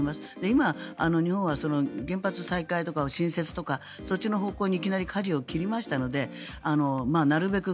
今、日本は原発再開とか新設とかそっちの方向にいきなりかじを切りましたのでなるべく